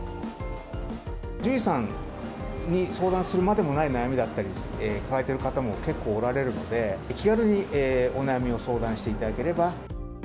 獣医さんに相談するまでもない悩みだったりを抱えている方も結構おられるので、気軽にお悩みを相談していただければ。